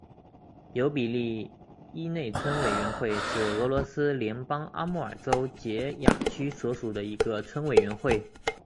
尤比列伊内村委员会是俄罗斯联邦阿穆尔州结雅区所属的一个村委员会。